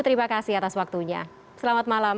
terima kasih atas waktunya selamat malam